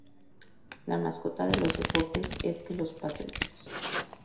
La mascota de los deportes es que los Patriots.